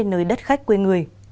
nơi đất khách quê người